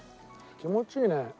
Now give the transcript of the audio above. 気持ちいいね。